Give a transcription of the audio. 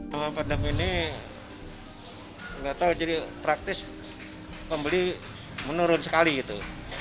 selama pandemi ini nggak tahu jadi praktis pembeli menurun sekali gitu